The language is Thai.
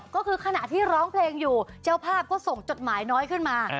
ก็คือขณะที่ร้องเพลงอยู่เจ้าภาพก็ส่งจดหมายน้อยขึ้นมา